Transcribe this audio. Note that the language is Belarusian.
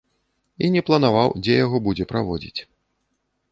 І не планаваў, дзе яго будзе праводзіць.